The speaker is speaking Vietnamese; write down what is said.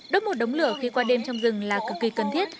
đốt một đống lửa khi qua đêm trong rừng là cực kỳ cần thiết